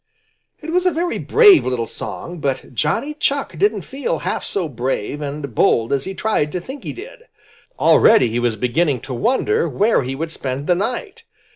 It was a very brave little song, but Johnny Chuck didn't feel half so brave and bold as he tried to think he did. Already he was beginning to wonder where he should spend the night.